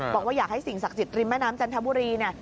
บอกว่าอยากให้สิ่งศักดิ์สิทธิริมแม่น้ำจันทบุรีเนี่ย